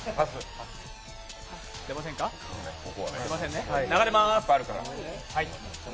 出ませんね、流れます。